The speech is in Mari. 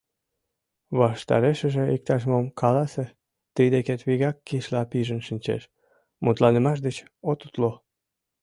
Ваштарешыже иктаж-мом каласе, тый декет вигак кишла пижын шинчеш, мутланымаш деч от утло.